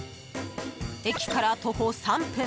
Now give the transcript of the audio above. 駅から徒歩３分。